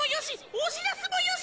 押し出すもよし。